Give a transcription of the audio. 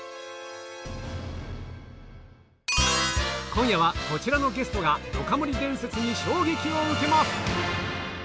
今夜はこちらのゲストがどか盛り伝説に衝撃を受けます